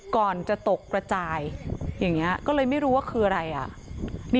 ก่อนจะตกกระจายอย่างนี้ก็เลยไม่รู้ว่าคืออะไรอ่ะ